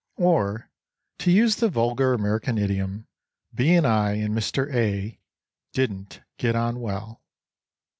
Or, to use the vulgar American idiom, B. and I and Mr. A. didn't get on well.